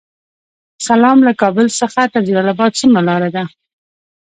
سلام، له کابل څخه تر جلال اباد څومره لاره ده؟